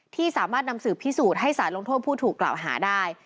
ที่สามารถนำสืบพิสูจน์ให้สารลงโทษผู้ถูกกล่าวหาได้